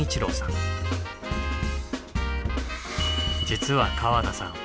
実は川田さん